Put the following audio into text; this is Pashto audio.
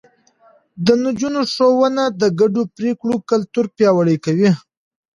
د نجونو ښوونه د ګډو پرېکړو کلتور پياوړی کوي.